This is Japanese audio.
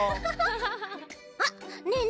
あっねえね